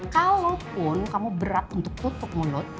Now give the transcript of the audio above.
kalaupun kamu berat untuk tutup mulut